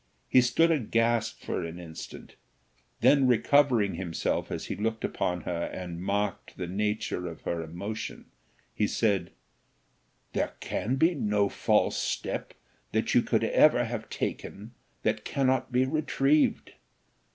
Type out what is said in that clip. He stood aghast for an instant, then recovering himself as he looked upon her and marked the nature of her emotion, he said: "There can be no false step that you could ever have taken that cannot be retrieved.